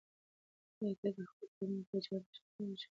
آیا ته د خپلې ټولنې په جوړښت پوهېږې؟